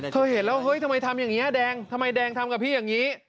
เห็นแล้วเฮ้ยทำไมทำอย่างนี้แดงทำไมแดงทำกับพี่อย่างนี้